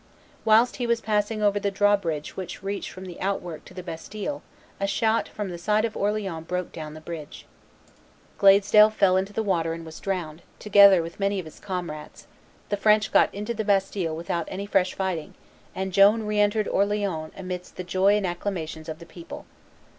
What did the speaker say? Whilst he was passing over the drawbridge which reached from the out work to the bastille, a shot from the side of Orleans broke down the bridge; Gladesdale fell into the water and was drowned, together with many of his comrades; the French got into the bastille without any fresh fighting; and Joan re entered Orleans amidst the joy and acclamations of the people.